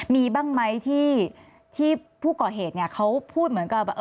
มีบ้างไหมที่ผู้ก่อเหตุเนี่ยเขาพูดเหมือนกับ